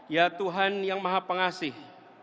ya tuhan yang maha pengasih